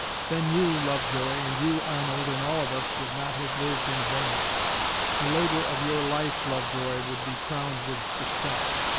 Then you, Lovejoy, and you, Arnold, and all of us, would not have lived in vain! The labor of your life, Lovejoy, would be crowned with success.